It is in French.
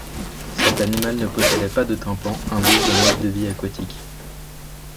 Cet animal ne possédait pas de tympan, indice d'un mode de vie aquatique.